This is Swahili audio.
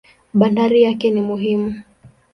Bandari yake ni muhimu.